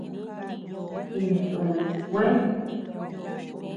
Insú kúën.